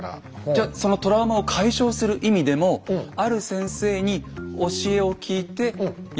じゃそのトラウマを解消する意味でもある先生に教えを聞いて詠んでみましょう。